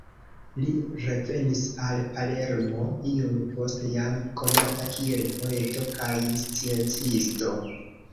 Li revenis al Palermo iom poste, jam konata kiel poeto kaj sciencisto.